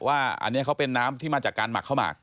ว่าอันนี้เขาเป็นน้ำที่มาจากการหมักข้าวหมัก